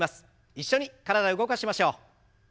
一緒に体動かしましょう。